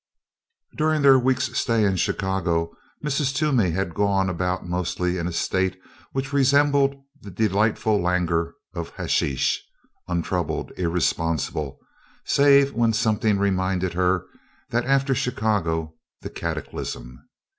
During their week's stay in Chicago Mrs. Toomey had gone about mostly in a state which resembled the delightful languor of hasheesh, untroubled, irresponsible, save when something reminded her that after Chicago the cataclysm.